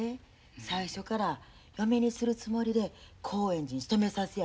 最初から嫁にするつもりで興園寺に勤めさせやんねんで。